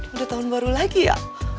udah tahun baru lagi ya